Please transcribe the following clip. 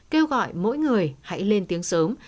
kêu gọi mỗi người hãy lên tiếng sớm